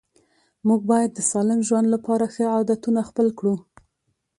موږ باید د سالم ژوند لپاره ښه عادتونه خپل کړو